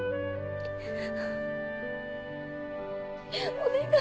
お願い。